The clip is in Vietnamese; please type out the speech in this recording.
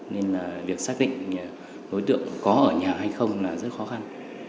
nên là việc xác định đối tượng có ở nhà hay không là rất khó khăn